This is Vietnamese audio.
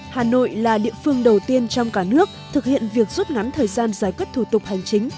hà nội là địa phương đầu tiên trong cả nước thực hiện việc rút ngắn thời gian giải quyết thủ tục hành chính